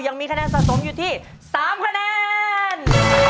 ยังมีคะแนนสะสมอยู่ที่๓คะแนน